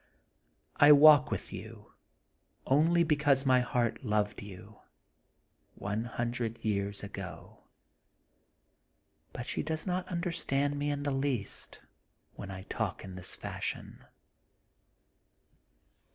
I walk with you, only because my heart loved you, one hundred years ago. '' But she does not understand me in the least, when I talk in this fashion.